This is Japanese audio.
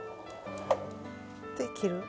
で切る？